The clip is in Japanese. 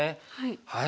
はい。